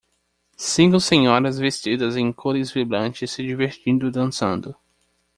Cinco senhoras vestidas em cores vibrantes se divertindo dançando.